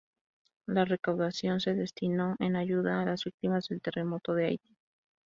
La recaudación se destinó en ayuda a las víctimas del terremoto de Haití.